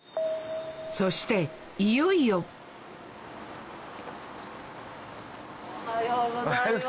そしていよいよおはようございます。